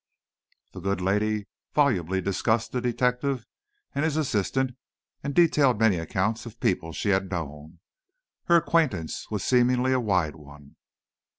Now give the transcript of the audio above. The good lady volubly discussed the detective and his assistant and detailed many accounts of people she had known. Her acquaintance was seemingly a wide one!